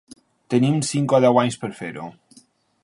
Tenim cinc o deu anys per fer-ho.